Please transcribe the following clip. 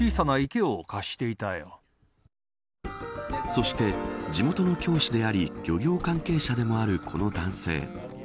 そして、地元の教師であり漁業関係者でもあるこの男性。